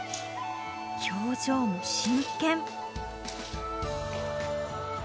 表情も真剣。